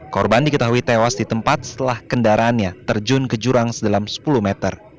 korban diketahui tewas di tempat setelah kendaraannya terjun ke jurang sedalam sepuluh meter